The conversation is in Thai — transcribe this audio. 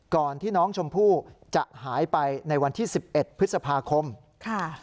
ก่อนที่น้องชมพู่จะหายไปในวันที่๑๑พฤษภาคมค่ะ